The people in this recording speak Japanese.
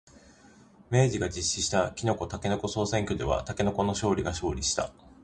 明治が実施したきのこ、たけのこ総選挙ではたけのこの里が勝利した。